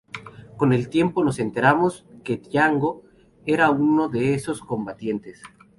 Con el tiempo nos enteramos, que Django era uno de esos combatientes.